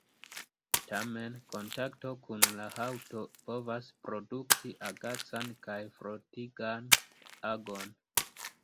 Tamen kontakto kun la haŭto povas produkti agacan kaj frotigan agon.